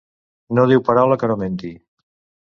No diu paraula que no menti.